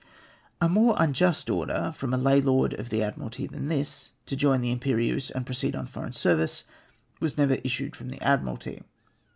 A more unjust order from a lay Lord of the Admi ralty than this, to join the Irnperieuse and proceed on foreign service, vv^as never issued from the Admiralty.